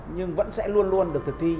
nhưng vẫn sẽ luôn luôn được thực thi